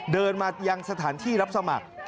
เดินมายังสถานที่รับสมัคร